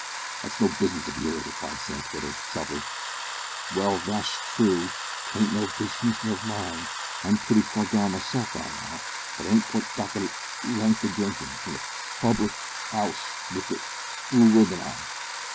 "That's no business of yours," replied Sam Twitter, sharply. "Well, thash true, 'tain't no b busnish o' mine. I I'm pretty far gone m'self, I allow; but I ain't quite got the l length o' drinkin' in a p public 'ouse wi' th' bl blue ribb'n on."